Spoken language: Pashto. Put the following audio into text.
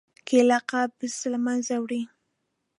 کېله قبض له منځه وړي.